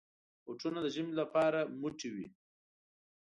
بوټونه د ژمي لپاره موټي وي.